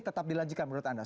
tetap dilanjikan menurut anda